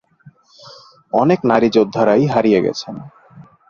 অনেক নারীযোদ্ধারাই হারিয়ে গেছেন।